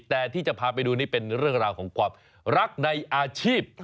แต่ที่จะพาไปดูนี่เป็นเรื่องราวของความรักในอาชีพ